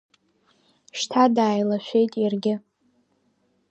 Шьҭа дааилашәеит иаргьы.